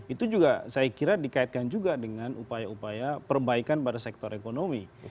itu juga saya kira dikaitkan juga dengan upaya upaya perbaikan pada sektor ekonomi